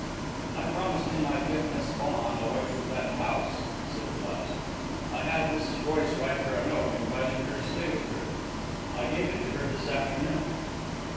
"I promised him I'd get Miss Vaughan away from that house," I said at last. "I had Mrs. Royce write her a note, inviting her to stay with her. I gave it to her this afternoon."